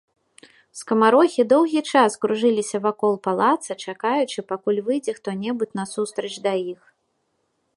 Скамарохі доўгі час кружыліся вакол палаца, чакаючы, пакуль выйдзе хто-небудзь насустрач да іх.